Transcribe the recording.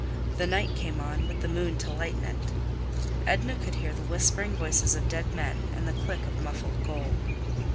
The night came on, with the moon to lighten it. Edna could hear the whispering voices of dead men and the click of muffled gold.